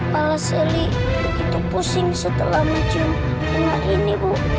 bala seli begitu pusing setelah mencium bunga ini bu